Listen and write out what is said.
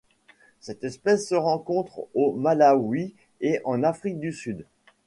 Cette espèce se rencontre au Malawi et en Afrique du Sud.